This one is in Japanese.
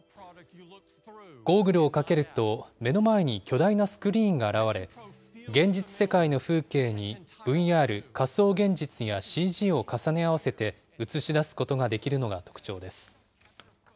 ゴーグルをかけると目の前に巨大なスクリーンが現れ、現実世界の風景にＶＲ・仮想現実やＣＧを重ね合わせて映し出すことができるのが特徴です。